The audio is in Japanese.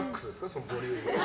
そのボリューム。